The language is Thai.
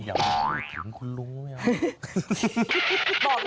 อยากมาพูดถึงคุณลุงหรือยัง